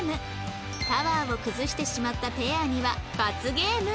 タワーを崩してしまったペアには罰ゲーム